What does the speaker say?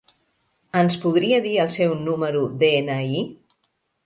Ens podria dir el seu número de ena i?